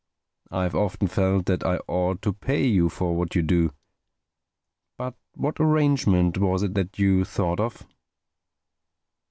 I've often felt that I ought to pay you for what you do—But what arrangement was it that you thought of?"